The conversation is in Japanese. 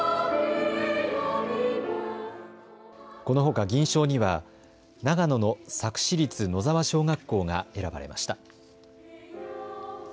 このほか銀賞には長野の佐久市立野沢小学校が選ばれました。